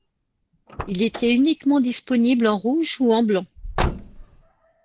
Il était uniquement disponible en rouge ou en blanc.